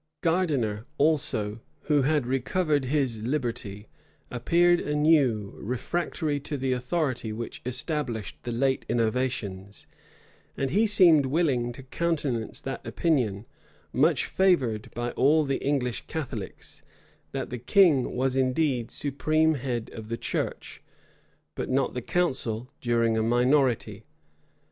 Gardiner, also, who had recovered his liberty, appeared anew refractory to the authority which established the late innovations; and he seemed willing to countenance that opinion, much favored by all the English Catholics, that the king was indeed supreme head of the church, but not the council during a minority.